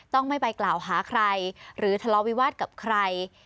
ต้องไม่ไปกล่าวหาใครหรือทะเลาวิวาสกับใคร